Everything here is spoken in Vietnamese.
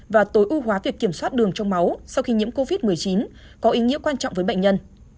và tối ưu hóa việc kiểm soát đường trong máu sau khi nhiễm covid một mươi chín có ý nghĩa quan trọng với bệnh nhân